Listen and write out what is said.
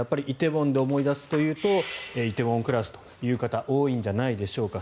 梨泰院で思い出すというと「梨泰院クラス」という方多いんじゃないでしょうか。